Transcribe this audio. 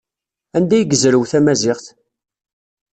Anda ay yezrew tamaziɣt?